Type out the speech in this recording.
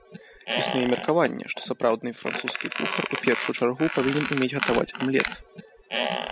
Існуе меркаванне, што сапраўдны французскі кухар у першую чаргу павінен умець гатаваць амлет.